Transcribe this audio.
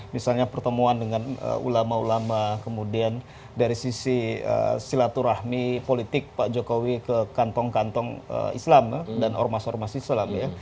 misalnya pertemuan dengan ulama ulama kemudian dari sisi silaturahmi politik pak jokowi ke kantong kantong islam dan ormas ormas islam ya